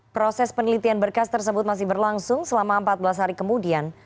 proses penelitian berkas tersebut masih berlangsung selama empat belas hari kemudian